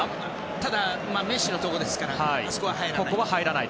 ただメッシのところですから入らない。